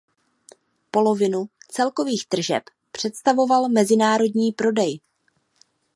Polovinu celkových tržeb představoval mezinárodní prodej.